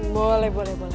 boleh boleh boleh